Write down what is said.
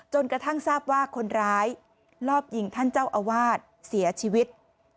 กระทั่งทราบว่าคนร้ายลอบยิงท่านเจ้าอาวาสเสียชีวิต